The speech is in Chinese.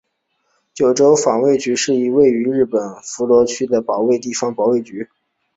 九州防卫局是一位于日本福冈县福冈市博多区的防卫省地方防卫局。